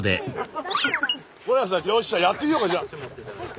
是永さんよっしゃやってみようかじゃあ。